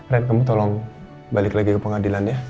red kamu tolong balik lagi ke pengadilan ya